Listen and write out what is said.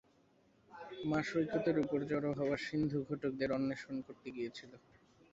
মা সৈকতের উপর জড়ো হওয়া সিন্ধুঘোটকদের অন্বেষণ করতে গিয়েছিল।